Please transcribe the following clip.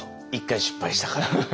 １回失敗したから。